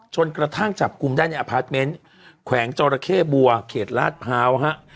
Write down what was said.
จนกระทั่งจับกลุ่มได้ในอพาร์ทเมนต์แขวงจรเข้บัวเขตลาดพร้าวฮะ